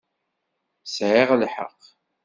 Sɛiɣ lḥeqq.